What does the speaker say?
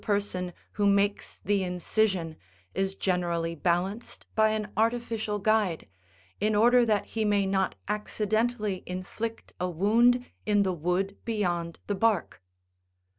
149 person who makes the incision is generally balanced by an artificial guide, in order that he may not accidentally inflict a wound in the wood beyond the bark.